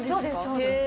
そうです